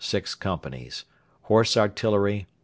6 companies Horse Artillery...